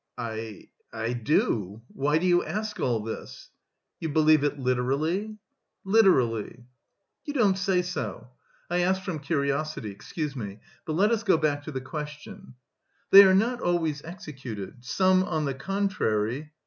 "I... I do. Why do you ask all this?" "You believe it literally?" "Literally." "You don't say so.... I asked from curiosity. Excuse me. But let us go back to the question; they are not always executed. Some, on the contrary..."